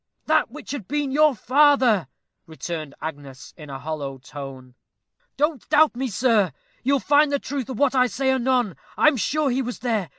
"That which had been your father," returned Agnes, in a hollow tone. "Don't doubt me, sir you'll find the truth of what I say anon. I am sure he was there.